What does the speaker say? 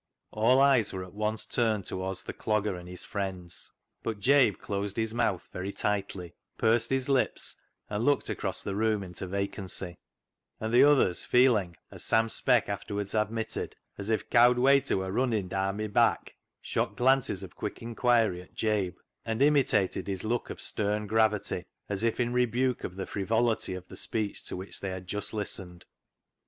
All eyes were at once turned towards the Clogger and his friends, but Jabe closed his mouth very tightly, pursed his lips, and looked across the room into vacancy ; and the others feeling, as Sam Speck afterwards admitted, " as if cowd wayter wur runnin' daan my back," shot glances of quick inquiry at Jabe, and imitated his look of stern gravity, as if in re buke of the frivolity of the speech to which they had just listened.